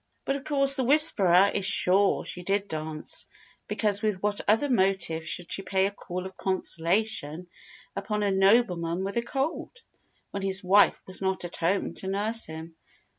But of course, the 'Whisperer' is sure she did dance, because with what other motive should she pay a call of consolation upon a nobleman with a cold, when his wife was not at home to nurse him?